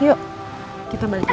yuk kita balik lagi ya